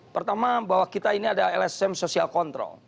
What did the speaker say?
pertama bahwa kita ini adalah lsm social control